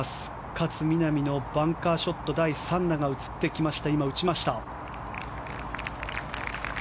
勝みなみのバンカーショット第３打、打ちました。